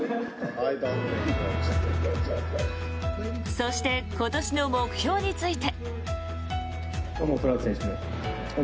そして今年の目標について。